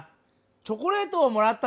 チョコレートをもらったぞ。